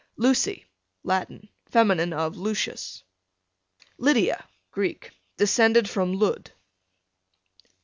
Lucy, Latin, fem. of Lucius. Lydia. Greek, descended from Lud.